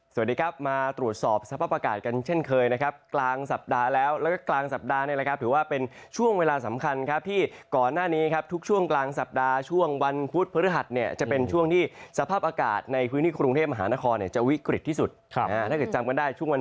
สวัสดีครับมาตรวจสอบสภาพอากาศกันเช่นเคยนะครับกลางสัปดาห์แล้วแล้วก็กลางสัปดาห์นี่แหละครับถือว่าเป็นช่วงเวลาสำคัญครับที่ก่อนหน้านี้ครับทุกช่วงกลางสัปดาห์ช่วงวันพุธพฤหัสเนี่ยจะเป็นช่วงที่สภาพอากาศในพื้นที่กรุงเทพมหานครเนี่ยจะวิกฤตที่สุดถ้าเกิดจำกันได้ช่วงวัน